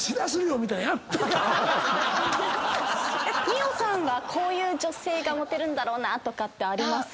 美緒さんはこういう女性がモテるんだろうなとかあります？